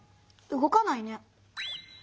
動かないね。